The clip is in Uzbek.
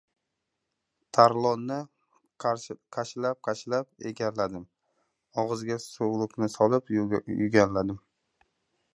Tarlonni qashilab-qashilab egarladim. Og‘ziga suvliqni solib, yuganladim.